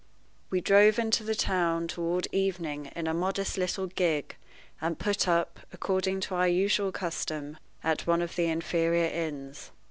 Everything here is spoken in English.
We drove into the town toward evening in a modest little gig, and put up, according to our usual custom, at one of the inferior inns.